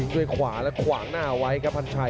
ด้วยขวาและขวางหน้าไว้ครับพันชัย